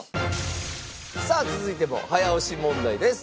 さあ続いても早押し問題です。